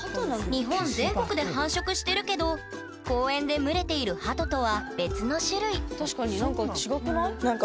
日本全国で繁殖してるけど公園で群れているハトとは別の種類確かになんか違くない？